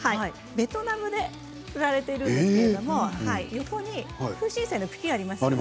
ベトナムで売られているんですけど横にクウシンサイの茎がありますね。